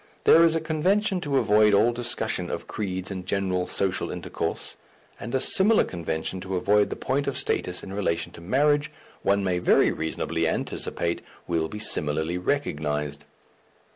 There is a convention to avoid all discussion of creeds in general social intercourse; and a similar convention to avoid the point of status in relation to marriage, one may very reasonably anticipate, will be similarly recognized.